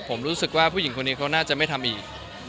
ผมรู้สึกว่าผู้หญิงคนนี้เขาน่าจะไม่ทำอีก